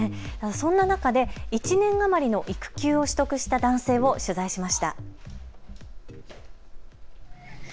そんな中で１年余りの育休を取得した男性を取材しました。